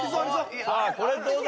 さあこれどうだ？